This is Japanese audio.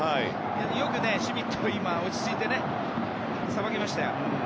よくシュミット落ち着いてさばきましたね。